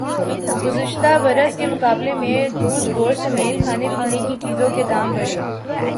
گزشتہ برس کے مقابلے میں دودھ گوشت سمیت کھانے پینے کی چیزوں کے دام بڑھے